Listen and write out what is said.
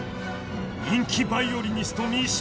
人気ヴァイオリニスト